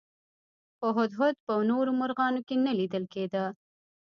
خو هدهد په نورو مرغانو کې نه لیدل کېده.